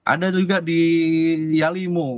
ada juga di yalimu